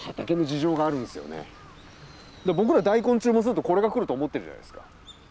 僕ら大根注文するとこれが来ると思ってるじゃないですか。